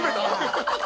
ハハハハ！